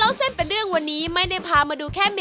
เล่าเซ่นเป็นเรื่องวันนี้ไม่ได้พามาดูแค่เมนูก๋วย